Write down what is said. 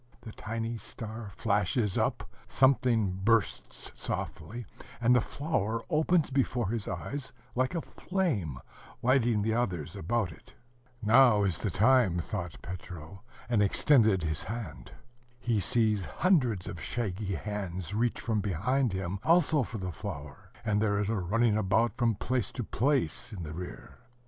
The tiny star flashes up, something bursts softly, and the flower opens before his eyes like a flame, lighting the others about it. "Now is the time," thought Petro, and extended his hand. He sees hundreds of shaggy hands reach from behind him, also for the flower; and there is a running about from place to place, in the rear.